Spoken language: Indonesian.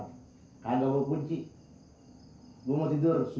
iya dah yang penting komisinya raya